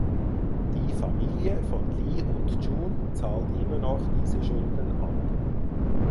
Die Familie von Lee und Chun zahlt immer noch diese Schulden ab.